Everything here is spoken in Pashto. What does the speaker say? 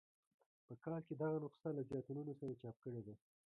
په کال کې دغه نسخه له زیاتونو سره چاپ کړې ده.